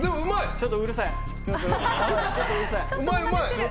ちょっとうるさい。